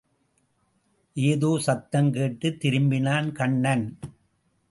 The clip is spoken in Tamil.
ஏதோ சத்தம் கேட்டுத் திரும்பினான் கண்ணன்.